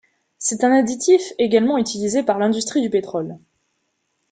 C'est un additif également utilisé par l'industrie du pétrole.